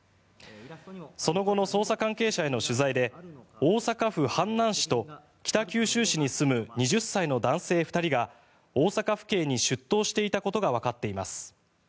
その後の捜査関係者への取材で大阪府阪南市と北九州市に住む２０歳の男性２人が大阪府警に出頭していたことがわかっています。